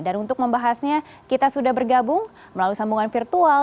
dan untuk membahasnya kita sudah bergabung melalui sambungan virtual